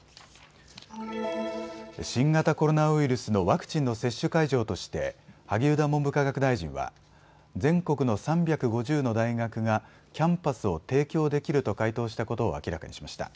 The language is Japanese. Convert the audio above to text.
新型コロナウイルスのワクチンの接種会場として萩生田文部科学大臣は全国の３５０の大学がキャンパスを提供できると回答したことを明らかにしました。